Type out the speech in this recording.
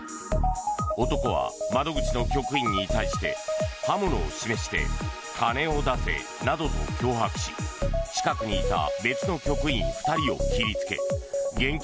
男は窓口の局員に対して刃物を示して金を出せなどと脅迫し近くにいた別の局員２人を切りつけ現金